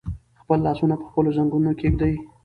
خپل لاسونه په خپلو زنګونونو کېږدئ.